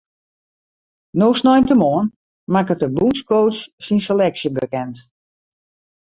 No sneintemoarn makket de bûnscoach syn seleksje bekend.